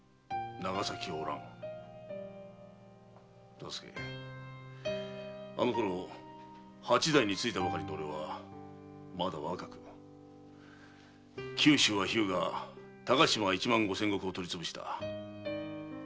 忠相あのころ八代についたばかりの俺はまだ若く九州は日向高島一万五千石を取りつぶした。